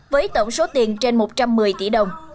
với tổng số tiền trên một trăm một mươi tỷ đồng